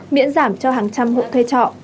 miễn giảm cho hàng trăm hộ thuê trọ